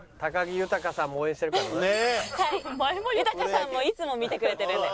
豊さんもいつも見てくれてるんで。